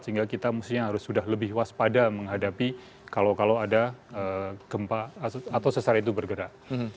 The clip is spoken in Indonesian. sehingga kita mestinya harus sudah lebih waspada menghadapi kalau ada gempa atau sesar itu bergerak